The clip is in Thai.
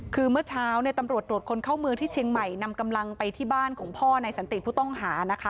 คือเมื่อเช้าเนี่ยตำรวจตรวจคนเข้าเมืองที่เชียงใหม่นำกำลังไปที่บ้านของพ่อในสันติผู้ต้องหานะคะ